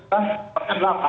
ada orang orang yang terdampak